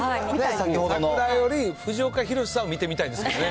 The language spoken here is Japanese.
桜より藤岡弘、さんを見てみたいですよね。